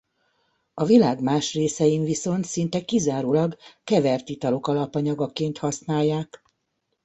A világ más részein viszont szinte kizárólag kevert italok alapanyagaként használják.